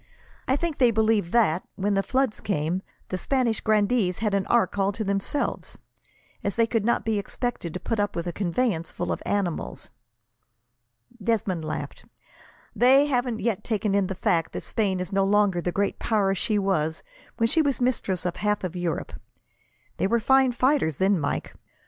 "I believe they think that, when the flood came, the Spanish grandees had an ark all to themselves, as they could not be expected to put up with a conveyance full of animals." Desmond laughed. "They haven't yet taken in the fact that Spain is no longer the great power she was when she was mistress of half of Europe. They were fine fighters then, Mike.